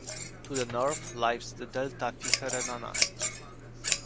To the north lies the Delta Fiherenana.